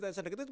saya deket gitu